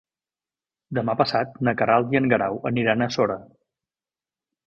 Demà passat na Queralt i en Guerau aniran a Sora.